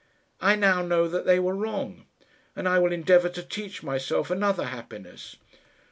I now know that they were wrong, and I will endeavour to teach myself another happiness."